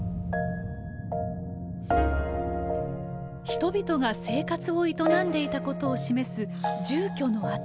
人々が生活を営んでいたことを示す住居の跡。